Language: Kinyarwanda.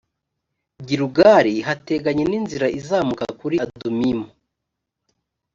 gilugali hateganye n’inzira izamuka kuri adumimu